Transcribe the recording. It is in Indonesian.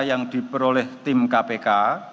yang diperoleh tim kpk